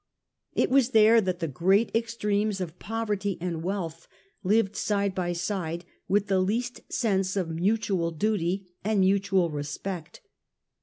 It was there that the great extremes of poverty and wealth lived side by side with the least sense of mutual duty and mutual respect.